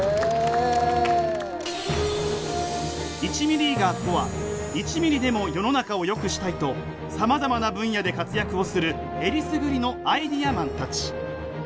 １ミリーガーとは１ミリでも世の中をよくしたいとさまざまな分野で活躍をするえりすぐりのアイデアマンたち。